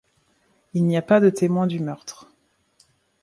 Il n'y a pas de témoin du meurtre.